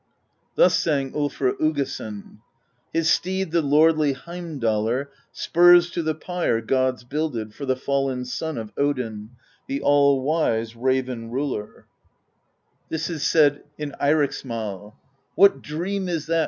Thus sang tJlfr Uggason: His steed the lordly Heimdallr Spurs to the pyre gods builded For the fallen son of Odin, The All Wise Raven Ruler. 102 PROSE EDDA This is said in Eiriksmal: What dream is that?